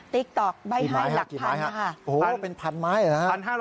ติ๊กต๊อกใบ้ให้หลักพันโอ้โหเป็นพันไม้เหรอฮะ